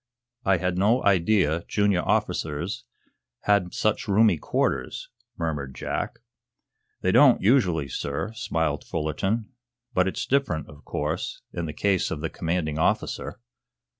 "I had no idea junior officers had such roomy quarters," murmured Jack. "They don't, usually, sir," smiled Fullerton. "But it's different, of course, in the case of the commanding officer."